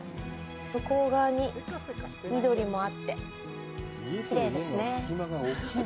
向こう側に緑もあってきれいですね。